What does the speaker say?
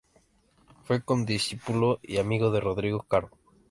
Fue condiscípulo y amigo de Rodrigo Caro.